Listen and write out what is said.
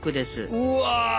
うわ！